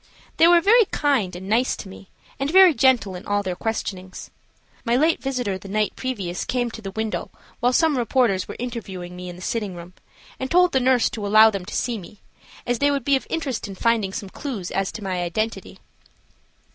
They were very kind and nice to me, and very gentle in all their questionings. My late visitor the night previous came to the window while some reporters were interviewing me in the sitting room, and told the nurse to allow them to see me, as they would be of assistance in finding some clew as to my identity.